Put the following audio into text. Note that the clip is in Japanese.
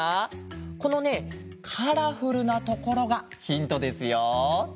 このねカラフルなところがヒントですよ。